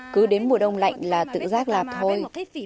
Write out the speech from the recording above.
cứ đến mùa đông lạnh là tự giác làm thôi